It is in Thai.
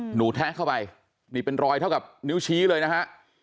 หนูแทะเข้าไปนี่เป็นรอยเท่ากับนิ้วชี้เลยนะฮะ